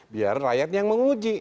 biar rakyatnya yang menguji